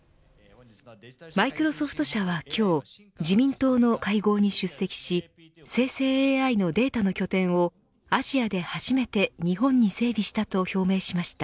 マイクロソフト社は今日自民党の会合に出席し生成ＡＩのデータの拠点をアジアで初めて日本に整備したと表明しました。